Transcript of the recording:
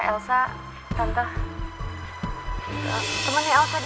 saya kenal sama semua temen temennya elsa soalnya